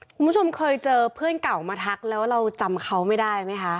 คุณผู้ชมเคยเจอเพื่อนเก่ามาทักแล้วเราจำเขาไม่ได้ไหมคะ